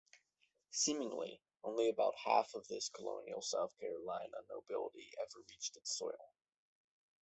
Seemingly, only about half of this colonial South Carolina nobility ever reached its soil.